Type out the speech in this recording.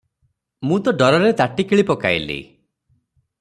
ମୁଁ ତ ଡରରେ ତାଟି କିଳିପକାଇଲି ।